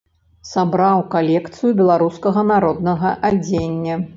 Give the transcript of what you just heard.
Сабраў калекцыю беларускага народнага адзення.